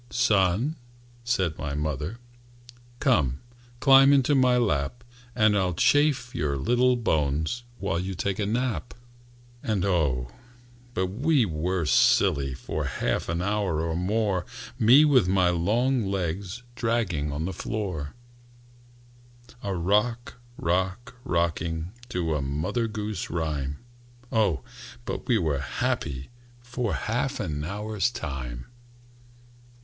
"Son," said my mother, "Come, climb into my lap, And I'll chafe your little bones While you take a nap." And, oh, but we were silly For half an hour or more, Me with my long legs Dragging on the floor, A rock rock rocking To a mother goose rhyme! Oh, but we were happy For half an hour's time!